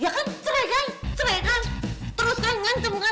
ya kan cerai kan cerai kan terus kan ngancam kan cerai kan